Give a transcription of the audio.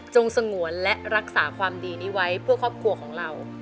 สงวนและรักษาความดีนี้ไว้เพื่อครอบครัวของเรา